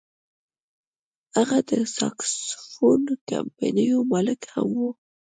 هغه د ساکسوفون کمپنیو مالک هم و.